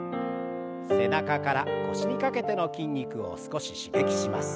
背中から腰にかけての筋肉を少し刺激します。